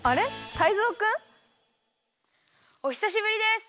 タイゾウくん？おひさしぶりです！